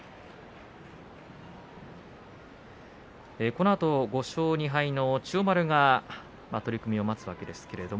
このあと５勝２敗の千代丸が取組を待っています。